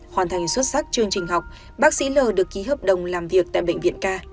hoàn thành xuất sắc chương trình học bác sĩ l được ký hợp đồng làm việc tại bệnh viện ca